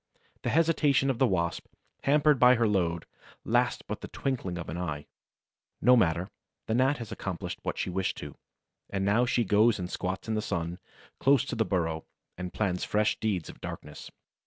The hesitation of the Wasp, hampered by her load, lasts but the twinkling of an eye. No matter: the Gnat has accomplished what she wished to, and now she goes and squats in the sun, close to the burrow, and plans fresh deeds of darkness.